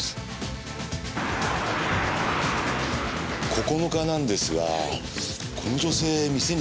９日なんですがこの女性店に来ませんでしたか？